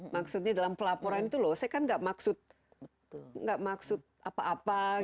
maksudnya dalam pelaporan itu loh saya kan nggak maksud apa apa